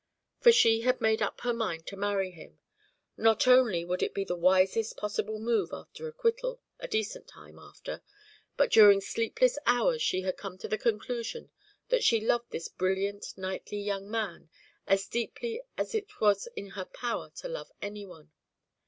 For she had made up her mind to marry him. Not only would it be the wisest possible move after acquittal, a decent time after, but during sleepless hours she had come to the conclusion that she loved this brilliant knightly young man as deeply as it was in her power to love any one.